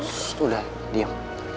ssst udah diam